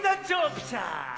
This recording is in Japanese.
ピシャー。